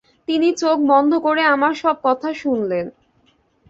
তিনি চোখ বন্ধ করে আমার সব কথা শুনলেন।